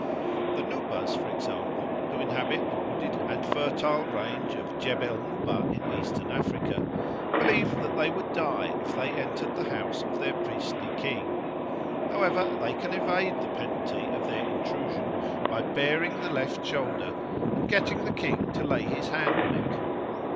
The Nubas, for example, who inhabit the wooded and fertile range of Jebel Nuba in Eastern Africa, believe that they would die if they entered the house of their priestly king; however, they can evade the penalty of their intrusion by baring the left shoulder and getting the king to lay his hand on it.